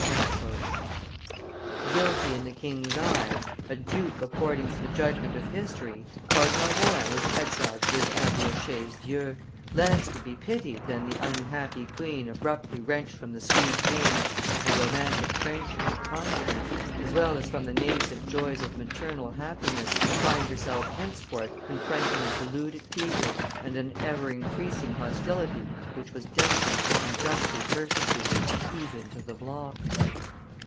'" Guilty in the king's eyes, a dupe according to the judgment of history, Cardinal Rohan was exiled to his abbey of Chaise Dieu, less to be pitied than the unhappy queen abruptly wrenched from the sweet dreams of a romantic friendship and confidence, as well as from the nascent joys of maternal happiness, to find herself henceforth confronting a deluded people and an ever increasing hostility which was destined to unjustly persecute her even to the block.